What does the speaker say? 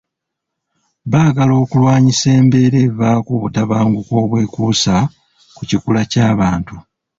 Baagala okulwanyisa embeera evaako obutabanguko obwekuusa ku kikula ky’abantu.